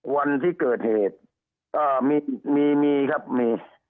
วันที่เกิดเหตุก็มีมีครับมี